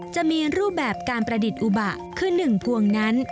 จะมีรูปแบบการประดิษฐ์อุบะคือ๑พวงนั้น